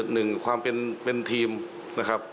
หนึ่งความเป็นทีมนะครับ